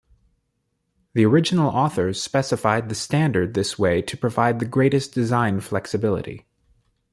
The original authors specified the standard this way to provide the greatest design flexibility.